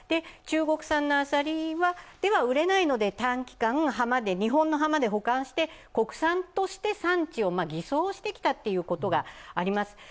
中国産のアサリでは売れないので短期間、日本の浜で保管して国産として産地を偽装してきたということがあります。